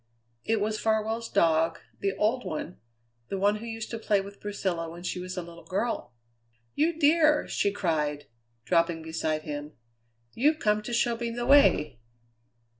It was Farwell's dog, the old one, the one who used to play with Priscilla when she was a little girl. "You dear!" she cried, dropping beside him; "You've come to show me the way.